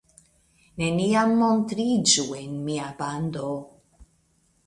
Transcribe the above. Neniam montriĝu en mia bando!